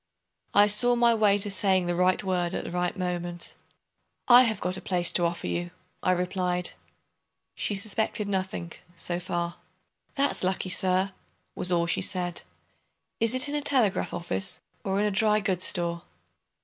I saw my way to saying the right word at the right moment. "I have got a place to offer you," I replied. She suspected nothing, so far. "That's lucky, sir," was all she said. "Is it in a telegraph office or in a dry goods store?"